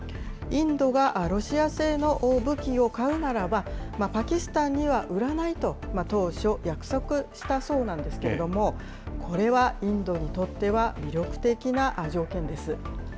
インドがロシア製の武器を買うならば、パキスタンには売らないと、当初、約束したそうなんですけれども、これはインドにとっては魅力的な条件です。